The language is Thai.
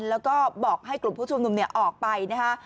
แล้วก็บอกให้กลุ่มผู้ชุมนุมออกไปนะฮะ